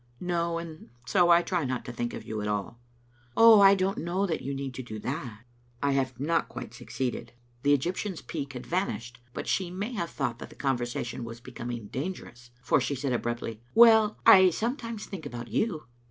" No, and so I try not to think of you at all." " Oh, I don't know that you need do that." " I have not quite succeeded. " The Egyptian's pique had vanished, but she may have thought that the conversation was becoming dan gerous, for she said abruptly — "Well, I sometimes think about you."